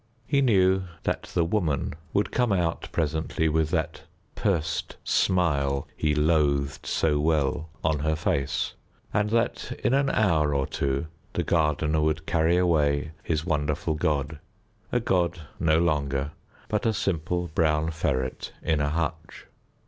He knew that the Woman would come out presently with that pursed smile he loathed so well on her face, and that in an hour or two the gardener would carry away his wonderful god, a god no longer, but a simple brown ferret in a hutch.